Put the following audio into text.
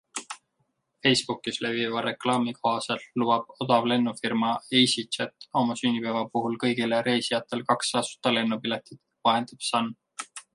Facebookis leviva reklaami kohaselt lubab odavlennufirma easyJet oma sünnipäeva puhul kõigile reisijatele kaks tasuta lennupiletit, vahendab Sun.